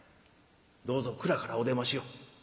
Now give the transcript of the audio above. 「どうぞ蔵からお出ましを。